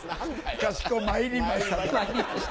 「かしこまいりました」。